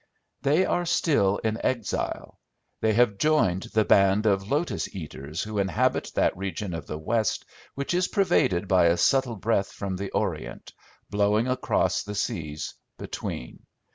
They are still in exile: they have joined the band of lotus eaters who inhabit that region of the West which is pervaded by a subtle breath from the Orient, blowing across the seas between.